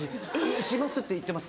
「します」って言ってます